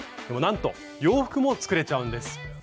でもなんと洋服も作れちゃうんです。